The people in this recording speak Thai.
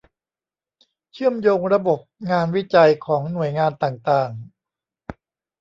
เชื่อมโยงระบบงานวิจัยของหน่วยงานต่างต่าง